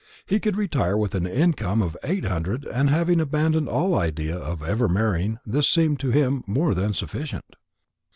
He could retire with an income of eight hundred and having abandoned all idea of ever marrying this seemed to him more than sufficient.